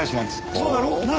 そうだろ？なあ？